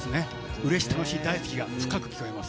うれしたのし大好きが深く聴こえます。